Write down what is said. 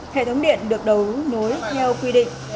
hệ thống điện được đầu nối theo quy định